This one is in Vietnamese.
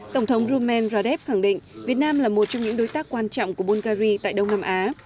tổng thống rumen radev khẳng định việt nam là một trong những đối tác quan trọng của bungary tại đông nam á